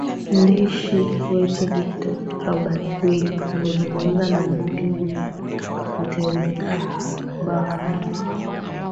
ndishi wetu victor robert willy amezungumuza na mbunge huyo mteule barwan